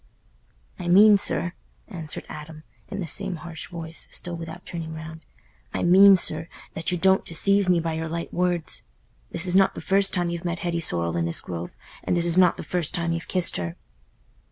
"I mean, sir"—answered Adam, in the same harsh voice, still without turning round—"I mean, sir, that you don't deceive me by your light words. This is not the first time you've met Hetty Sorrel in this grove, and this is not the first time you've kissed her."